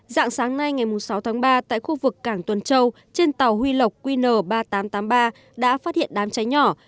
dạng sáng nay ngày sáu tháng ba tại khu vực cảng tuần châu trên tàu huy lộc qn ba nghìn tám trăm tám mươi ba đã phát hiện đám cháy nhỏ